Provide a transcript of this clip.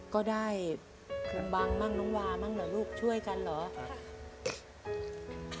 ก็ได้คุณบังบ้างน้องวามั่งเหรอลูกช่วยกันเหรอ